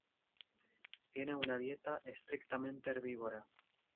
Tiene una dieta estrictamente herbívora.